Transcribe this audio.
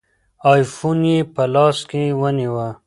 آیفون یې په لاس کې ونیوه.